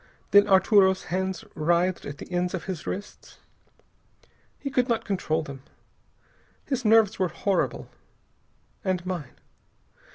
Then Arturo's hands writhed at the ends of his wrists. He could not control them. His nerves were horrible. And mine.